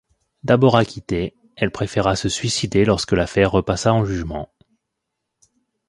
D'abord acquittée, elle préféra se suicider lorsque l'affaire repassa en jugement.